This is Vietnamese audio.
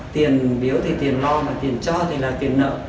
tiền biếu thì tiền lo mà tiền cho thì là tiền nợ